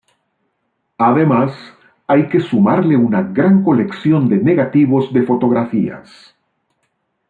Además, hay que sumarle una gran colección de negativos de fotografías.